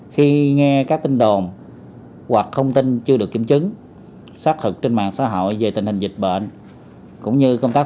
khi nghe các tin đồn hoặc thông tin chưa được kiểm chứng xác thực trên mạng xã hội về tình hình dịch bệnh